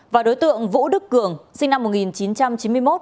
và đối tượng vũ đức cường sinh năm một nghìn chín trăm chín mươi một